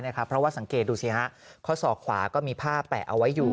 เพราะว่าสังเกตดูสิฮะข้อศอกขวาก็มีผ้าแปะเอาไว้อยู่